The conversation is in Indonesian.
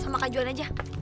sama kak juan aja